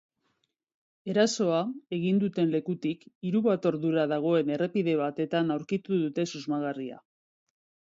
Erasoa egin duen lekutik hiru bat ordura dagoen errepide batean aurkitu dute susmagarria.